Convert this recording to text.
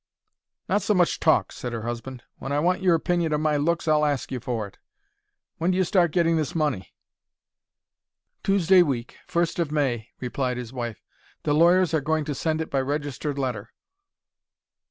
"Not so much talk," said her husband. "When I want your opinion of my looks I'll ask you for it. When do you start getting this money?" "Tuesday week; first of May," replied his wife. "The lawyers are going to send it by registered letter."